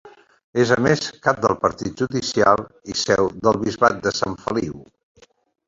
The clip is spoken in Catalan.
És a més cap de partit judicial i seu del bisbat de Sant Feliu.